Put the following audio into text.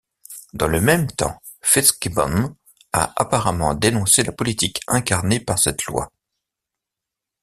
Dans le même temps, FitzGibbon a apparemment dénoncé la politique incarnée par cette loi.